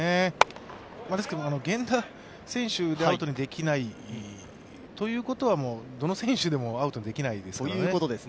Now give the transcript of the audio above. ですけど、源田選手でアウトにできないということはもう、どの選手でもアウトにできないという。